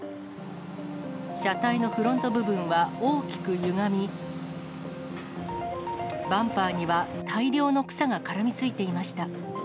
車体のフロント部分は大きくゆがみ、バンパーには、大量の草が絡みついていました。